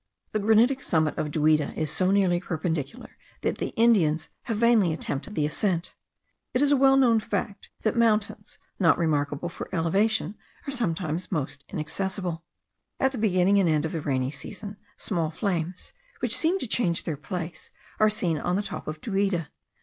The granitic summit of Duida is so nearly perpendicular that the Indians have vainly attempted the ascent. It is a well known fact that mountains not remarkable for elevation are sometimes the most inaccessible. At the beginning and end of the rainy season, small flames, which seem to change their place, are seen on the top of Duida.